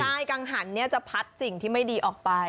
ใช่กังหันจะพัดสิ่งที่ไม่ดีออกไป